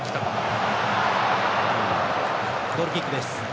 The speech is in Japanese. ゴールキックです。